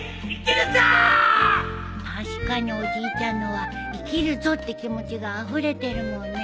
確かにおじいちゃんのは生きるぞって気持ちがあふれてるもんね。